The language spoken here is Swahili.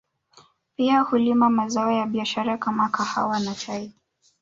Pia hulima mazao ya biashara kama kahawa na chai